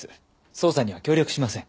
捜査には協力しません。